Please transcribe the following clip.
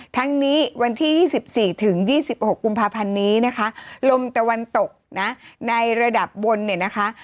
ทั้งนี้วันที่๒๔ถึง๒๖กุมภาพันธ์นี้นะคะลมตะวันตกนะในระดับบนเนี่ยนะคะ